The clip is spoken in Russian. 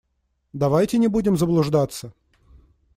Давайте не будем заблуждаться.